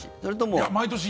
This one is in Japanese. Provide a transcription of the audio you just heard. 毎年。